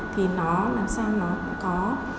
thì nó làm sao nó có